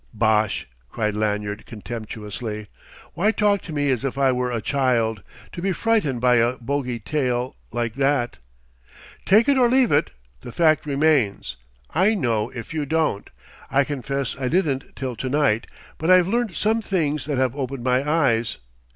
"Bosh!" cried Lanyard contemptuously. "Why talk to me as if I were a child, to be frightened by a bogey tale like that?" "Take it or leave it: the fact remains.... I know, if you don't. I confess I didn't till to night; but I've learned some things that have opened my eyes....